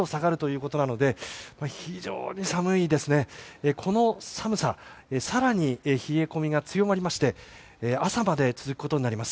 この寒さ更に冷え込みが強まりまして朝まで続くことになります。